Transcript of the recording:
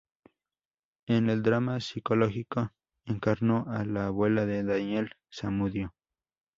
En el drama psicológico, encarnó a la abuela de Daniel Zamudio.